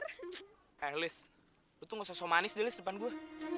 eh lis lo tuh gak sosok manis deh lis depan gue